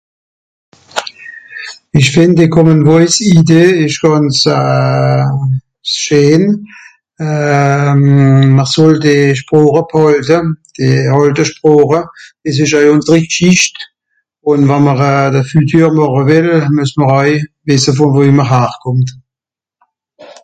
Ìch fìnd d'Common Voice Idee ìsch gànz euh... scheen euh... mìr soll d'Sproche bhàlte, d'àlte Sproche, dìs ìsch oei ùnseri Gschìcht, ùn we'mr euh... de Fütür màche wìlle mues mr oei wìsse vùn wo mr harkùmmt.